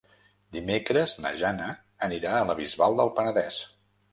Dimecres na Jana anirà a la Bisbal del Penedès.